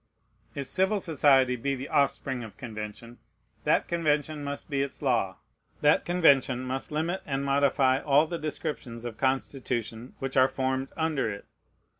If civil society be the offspring of convention, that convention must be its law. That convention must limit and modify all the descriptions of constitution which are formed under it.